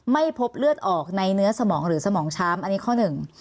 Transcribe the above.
ไม่พบเลือดออกในเนื้อสมองหรือสมองช้ำอันนี้ข้อหนึ่ง